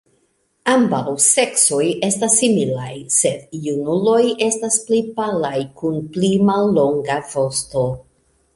Ambaŭ seksoj estas similaj, sed junuloj estas pli palaj kun pli mallonga vosto.